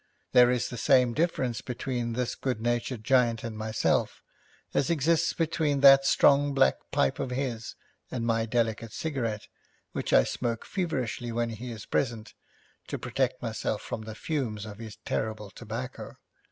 There is the same difference between this good natured giant and myself as exists between that strong black pipe of his and my delicate cigarette, which I smoke feverishly when he is present, to protect myself from the fumes of his terrible tobacco.